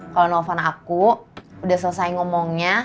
kalau nelfon aku udah selesai ngomongnya